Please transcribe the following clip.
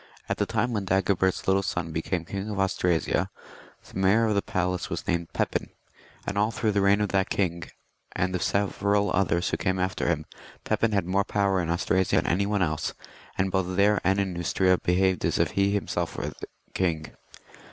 At the time when Dagobert's little son became king of Austrasia, the Mayor of the Palace was named Pepin ; and all through the reign of that king, and of several others who came after him, Pepin had more power in Austrasia than any one else, and both there and in Neustria behaved as if he were himself the king.